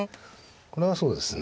これはそうですね。